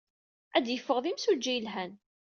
Ad d-yeffeɣ d imsujji yelhan.